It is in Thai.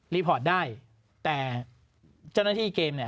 รีพอร์ตได้แต่เจ้านักงานเกมเนี่ย